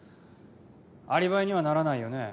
アリバイにはならないよね。